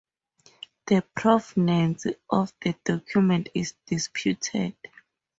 The provenance of the document is disputed.